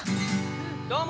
どうも。